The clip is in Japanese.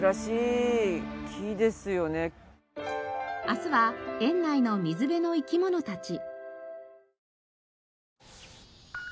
明日は園内の水辺の生き物たち。